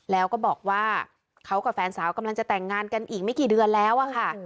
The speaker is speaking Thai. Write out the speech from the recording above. แล้วก็บอกว่าเขากับแฟนสาวกำลังจะแต่งงานกันอีกไม่กี่เดือนแล้วอะค่ะ